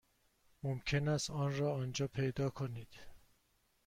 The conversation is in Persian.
ممکن است آن را آنجا پیدا کنید.